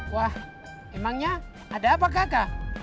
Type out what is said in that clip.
wah emangnya ada apa kakak